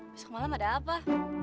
besok malam ada apa